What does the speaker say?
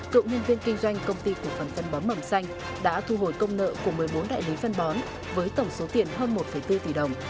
cựu nhân viên kinh doanh công ty của phần phân bón mầm xanh đã thu hồi công nợ của một mươi bốn đại lý phân bón với tổng số tiền hơn một bốn tỷ đồng